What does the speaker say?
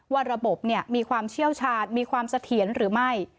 ว่าระบบมีความเชี่ยวชาญมีความเสถียรหรือไม่